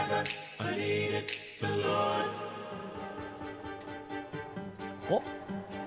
「あっ！